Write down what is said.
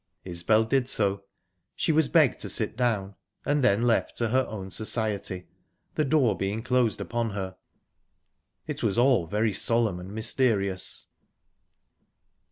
Isbel did so. She was begged to sit down, and then left to her own society, the door being closed upon her. It was all very solemn and mysterious.